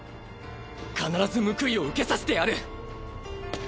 必ず報いを受けさせてやる。